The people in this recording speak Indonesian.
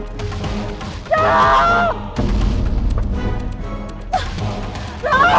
buang sini tasnya